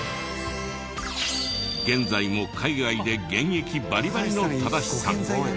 現在も海外で現役バリバリの正直さん。